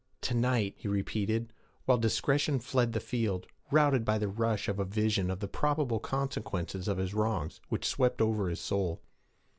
'To night!' he repeated, while discretion fled the field, routed by the rush of a vision of the probable consequences of his wrongs which swept over his soul.